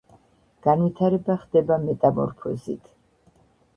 განვითარება ხდება მეტამორფოზით.